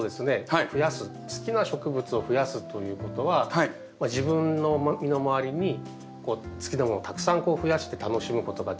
増やす好きな植物を増やすということは自分の身の回りに好きなものをたくさん増やして楽しむことができる。